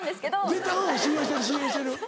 絶対うん信用してる信用してる。